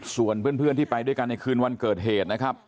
ส่วนเพื่อนที่ไปด้วยกันในคืนวันเกิดเหตุนะครับ